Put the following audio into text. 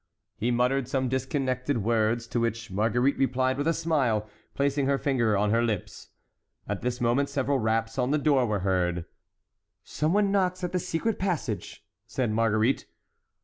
He muttered some disconnected words, to which Marguerite replied with a smile, placing her finger on her lips. At this moment several raps on the door were heard. "Some one knocks at the secret passage," said Marguerite.